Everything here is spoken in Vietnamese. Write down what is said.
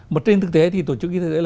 mà trên thực tế tổ chức y tế thế giới